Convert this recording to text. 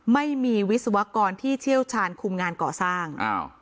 ไม่มีวิศวกรที่เชี่ยวชาญคุมงานก่อสร้างอ้าว